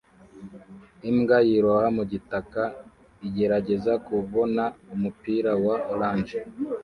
Imbwa yiroha mu gitaka igerageza kubona umupira wa orange